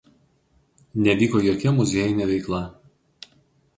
Nevyko jokia muziejinė veikla.